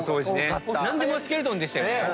何でもスケルトンでしたよね。